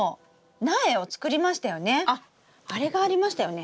あれがありましたよね。